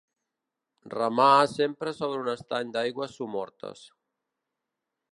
Remar sempre sobre un estany d'aigües somortes.